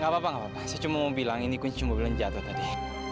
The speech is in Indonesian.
gak apa apa saya cuma mau bilang ini kunci cuma bilang jatuh tadi